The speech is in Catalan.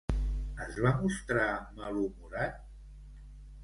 Es va mostrar malhumorat?